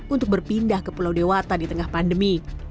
untuk berpindah ke pulau dewata di tengah pandemi